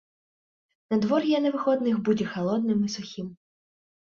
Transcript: Надвор'е на выходных будзе халодным і сухім.